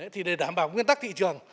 thì để đảm bảo nguyên tắc thị trường